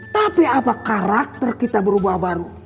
tapi apa karakter kita berubah baru